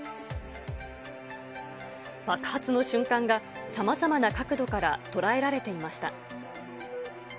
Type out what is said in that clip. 爆発の瞬間が、さまざまな角度から捉えられていました。